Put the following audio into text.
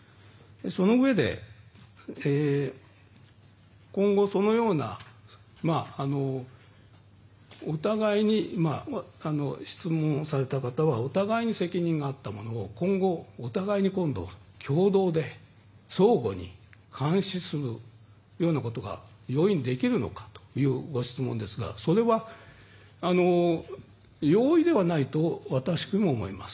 そのうえで、今後そのような。質問された方はお互いに責任があったものを今後、お互いに共同で相互で監視するということが容易にできるのかというご質問ですがそれは、容易ではないと私も思います。